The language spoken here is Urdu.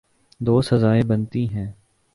دو سزائیں بنتی ہیں۔